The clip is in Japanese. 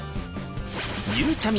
ゆうちゃみ